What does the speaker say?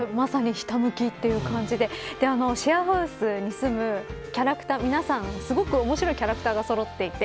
まさに、ひたむきという感じでシェアハウスに住むキャラクター皆さん、すごく面白いキャラクターがそろっていて